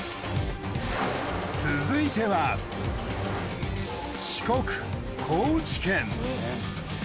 続いては四国高知県。